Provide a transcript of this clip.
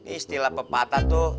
istilah pepatah tuh